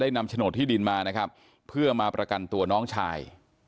นำโฉนดที่ดินมานะครับเพื่อมาประกันตัวน้องชาย